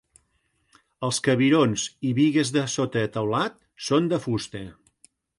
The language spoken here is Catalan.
Els cabirons i bigues de sota teulat són de fusta.